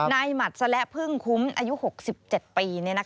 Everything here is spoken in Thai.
หมัดสละพึ่งคุ้มอายุ๖๗ปี